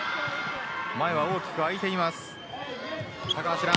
前が大きく空いています。